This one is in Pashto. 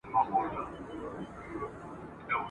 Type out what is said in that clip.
ترې چاپېر د لويي وني وه ښاخونه !.